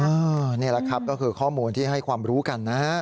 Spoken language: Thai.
นี่แหละครับก็คือข้อมูลที่ให้ความรู้กันนะฮะ